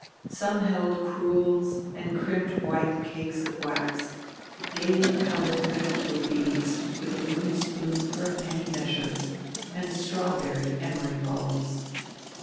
Some held crewels and crimped white cakes of wax, gayly colored reticule beads with a wooden spoon for a penny measure, and "strawberry" emery balls.